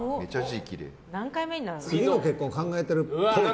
次の結婚を考えているっぽい。